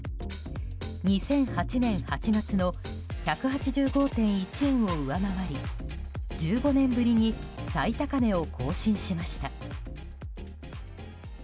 ２００８年８月の１８５．１円を上回り１５年ぶりに最高値を更新しました。